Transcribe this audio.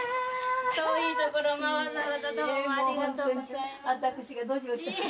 遠い所わざわざどうもありがとうございます。